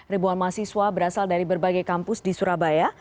ribuan mahasiswa berasal dari berbagai kampus di surabaya